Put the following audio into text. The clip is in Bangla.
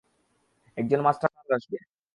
একজন মাস্টার আসবে।